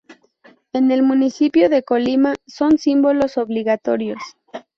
En el municipio de Colima, son símbolos obligatorios.